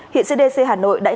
hiện cdc hà nội đã